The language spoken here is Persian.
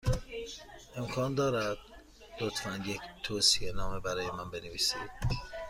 امکان دارد، لطفا، یک توصیه نامه برای من بنویسید؟